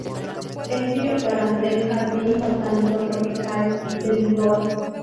Es directora del Jardim Botânico Tropical, de Lisboa.